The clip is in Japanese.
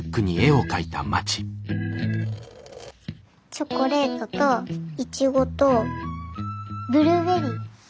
チョコレートとイチゴとブルーベリー。